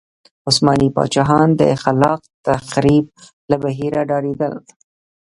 عثماني پاچاهان د خلاق تخریب له بهیره ډارېدل.